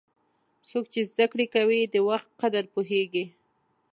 څوک چې زده کړه کوي، د وخت قدر پوهیږي.